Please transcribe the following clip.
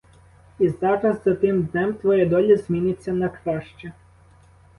І зараз за тим днем твоя доля зміниться на краще.